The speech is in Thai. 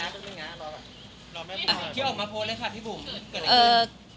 พี่ออกมาโพสต์เลยค่ะพี่บุ๋ม